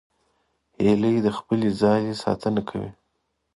هیلۍ د خپل ځاله ساتنه کوي